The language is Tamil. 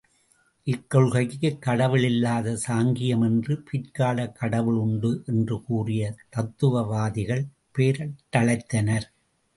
இக்கொள்கைக்கு கடவுள் இல்லாத சாங்கியம் என்று பிற்கால கடவுள் உண்டு என்று கூறிய தத்துவவாதிகள் பெயரிட்டழைத்தனர்.